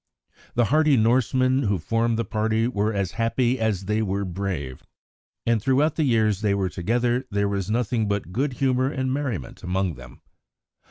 The hardy Norsemen who formed the party were as happy as they were brave, and throughout the years they were together there was nothing but good humour and merriment among them.